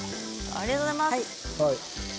ありがとうございます。